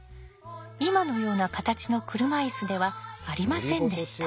今のような形の車いすではありませんでした。